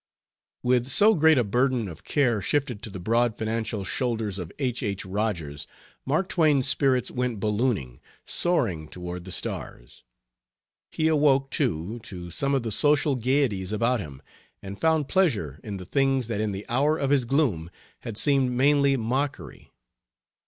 With so great a burden of care shifted to the broad financial shoulders of H. H. Rogers, Mark Twain's spirits went ballooning, soaring toward the stars. He awoke, too, to some of the social gaieties about him, and found pleasure in the things that in the hour of his gloom had seemed mainly mockery.